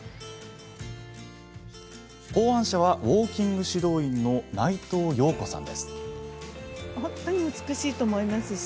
考案者は、ウォーキング指導員の内藤陽子さん。